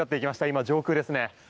今、上空ですね。